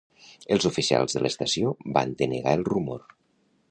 Els oficials de l'estació van denegar el rumor.